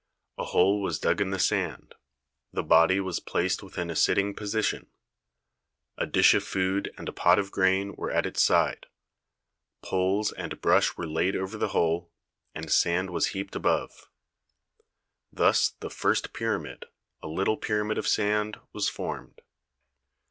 A hole was dug in the sand; the THE PYRAMID OF KHUFU body was placed within in a sitting position ; a dish of food and a pot of grain were at its side; poles and brush were laid over the hole, and sand was heaped above. Thus the first pyramid, a little pyramid of sand, was formed.